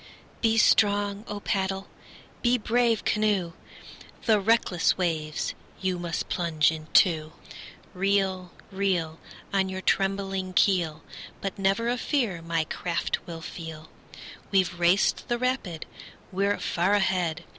Be strong, O paddle! be brave, canoe! The reckless waves you must plunge into. Reel, reel. On your trembling keel, But never a fear my craft will feel. We've raced the rapid, we're far ahead!